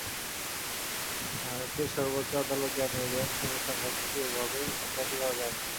ভারতের সর্বোচ্চ আদালত জানিয়ে দেন, কোনো সংগঠনকে এইভাবে অপরাধী বলা যায় না।